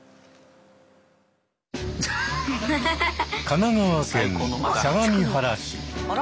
神奈川県相模原市。